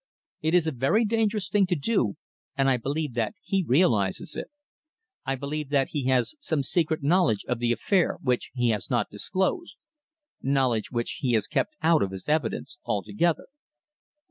It is a very dangerous thing to do, and I believe that he realizes it. I believe that he has some secret knowledge of the affair which he has not disclosed knowledge which he has kept out of his evidence altogether."